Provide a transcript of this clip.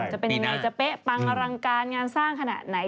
จะเป็นยังไงจะเป๊ะปังอลังการงานสร้างขนาดไหน